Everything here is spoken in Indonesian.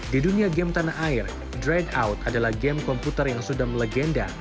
di dunia game tanah air dreadout adalah game komputer yang sudah melegenda